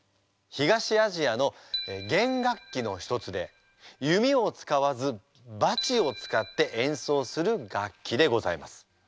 東アジアの弦楽器の一つで弓を使わず撥を使って演奏する楽器でございます。